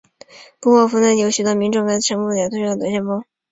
不过诺福克市内有许多民众报告称该市也出现了龙卷风。